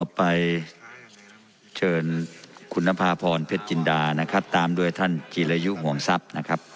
ไปเชิญคุณนภาพรเพชรจินดานะครับตามด้วยท่านจีรยุห่วงทรัพย์นะครับ